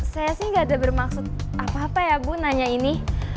saya sih gak ada bermaksud apa apa ya bu nanya ini